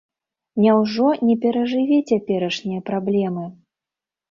Няўжо не перажыве цяперашнія праблемы?